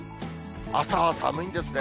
朝は寒いんですね。